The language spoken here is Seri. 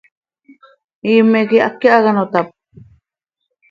¿Iime quih háqui hac ano tap?